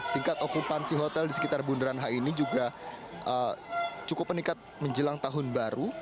tingkat okupansi hotel di sekitar bundaran hi ini juga cukup meningkat menjelang tahun baru